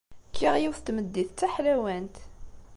Kkiɣ yiwet n tmeddit d taḥlawant.